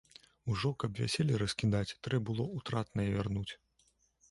Ужо, каб вяселле раскідаць, трэ было ўтратнае вярнуць.